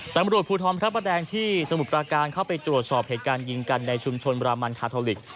ตำรวจภูทรพระประแดงที่สมุทรปราการเข้าไปตรวจสอบเหตุการณ์ยิงกันในชุมชนบรามันคาทอลิก